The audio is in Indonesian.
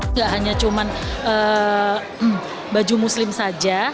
nggak hanya cuma baju muslim saja